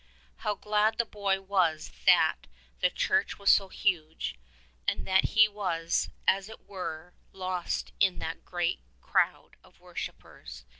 How glad the boy was that the church was so huge, and that he was, as it were, lost in that great crowd of worshippers.